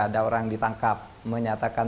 ada orang ditangkap menyatakan